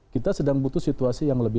kita sedang butuh situasi yang lebih